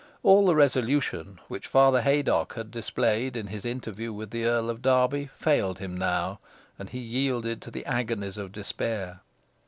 All the resolution which Father Haydocke had displayed in his interview with the Earl of Derby, failed him now, and he yielded to the agonies of despair.